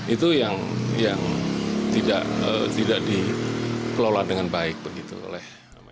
itu yang tidak dikelola dengan baik begitu oleh